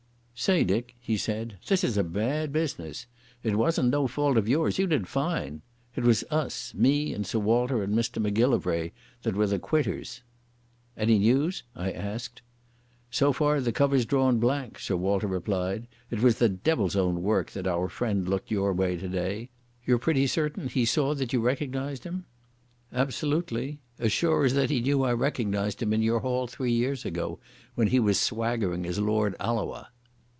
"Say, Dick," he said, "this is a bad business. It wasn't no fault of yours. You did fine. It was us—me and Sir Walter and Mr Macgillivray that were the quitters." "Any news?" I asked. "So far the cover's drawn blank," Sir Walter replied. "It was the devil's own work that our friend looked your way today. You're pretty certain he saw that you recognised him?" "Absolutely. As sure as that he knew I recognised him in your hall three years ago when he was swaggering as Lord Alloa."